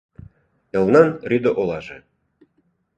— Элнан рӱдӧ олаже.